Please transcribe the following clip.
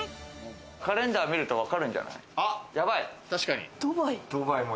カレンダーを見るとわかるんじゃない？